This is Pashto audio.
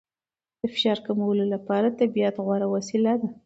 د فشار کمولو لپاره طبیعت غوره وسیله ده.